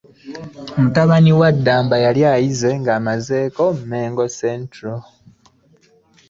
Mutabani we Ddamba yali ayize ng’aamazeeko Mengo Central.